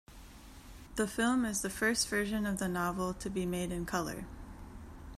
The film is the first version of the novel to be made in color.